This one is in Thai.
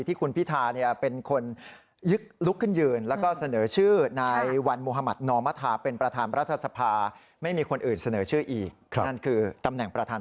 ที่คุณพิทาเป็นคนยึดลุกขึ้นเยือน